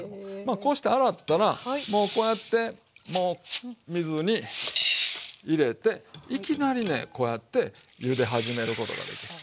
こうして洗ったらもうこうやってもう水に入れていきなりねこうやってゆで始めることができる。